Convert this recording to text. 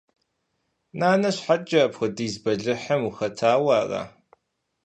Нанэ щхьэкӀэ апхуэдиз бэлыхьым ухэтауэ ара?